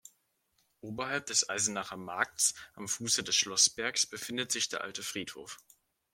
Oberhalb des Eisenacher Markts am Fuße des Schlossbergs befindet sich der Alte Friedhof.